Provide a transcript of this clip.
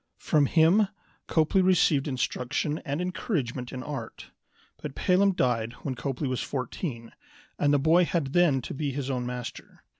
From him Copley received instruction and encouragement in art. But Pelham died when Copley was fourteen, and the boy had then to be his own master.